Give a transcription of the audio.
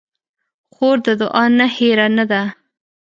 خور د دعا نه هېره نه ده.